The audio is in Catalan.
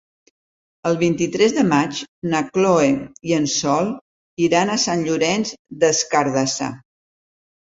El vint-i-tres de maig na Chloé i en Sol iran a Sant Llorenç des Cardassar.